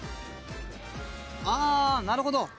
あなるほど。